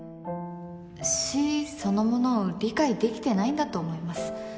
死そのものを理解できてないんだと思います。